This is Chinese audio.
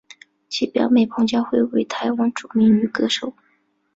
其表妹彭佳慧为台湾著名女歌手。